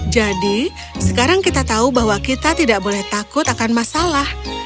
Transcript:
jadi sekarang kita tahu bahwa kita tidak boleh takut akan masalah